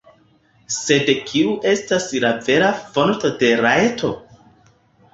Sed kiu estas la vera fonto de rajto?